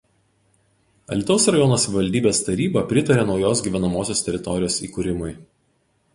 Alytaus rajono savivaldybės taryba pritarė naujos gyvenamosios teritorijos įkūrimui.